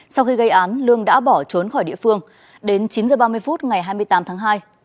sau khi gây án lương đã bỏ trốn khỏi địa phương đến chín h ba mươi phút ngày hai mươi tám tháng hai